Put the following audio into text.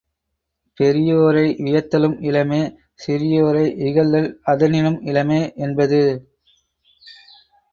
பெரியோரை வியத்தலும் இலமே சிறியோரை இகழ்தல் அதனினும் இலமே! என்பது.